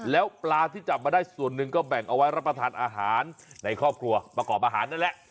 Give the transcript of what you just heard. แล้วปลาที่จับมาได้ส่วนหนึ่งก็แบ่งเอาไว้รับประทานอาหารในครอบครัวประกอบอาหารนั่นแหละ